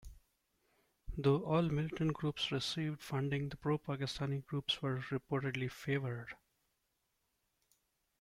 Though all the militant groups received funding the Pro Pakistani groups were reportedly favored.